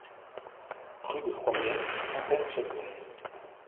Rue de Froyelles, Fontaine-sur-Maye